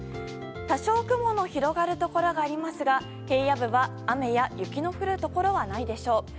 多少、雲の広がるところがありますが平野部は雨や雪が降るところはないでしょう。